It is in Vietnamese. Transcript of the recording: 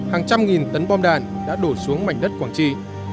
hàng trăm nghìn tấn bom đạn đã đổ xuống mảnh đất quảng trị